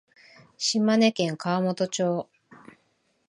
島根県川本町